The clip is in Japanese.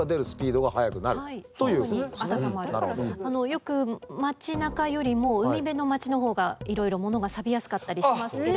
よく町なかよりも海辺の町のほうがいろいろ物がサビやすかったりしますけれども。